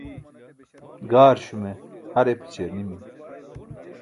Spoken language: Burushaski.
gaarśume har epaćiyar nimi